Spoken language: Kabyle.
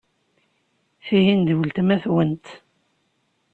Tihin d weltma-twent?